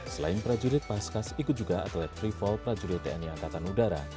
selain prajurit paskas ikut juga atlet free fall prajurit tni angkatan udara